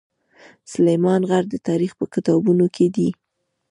سلیمان غر د تاریخ په کتابونو کې دی.